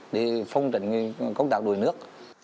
để phong trận công tác đổi nước